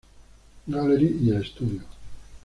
Gallery y el Stud!o.